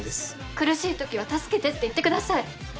苦しい時は「助けて」って言ってください。